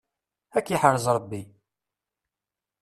Ad k-iḥrez Rebbi!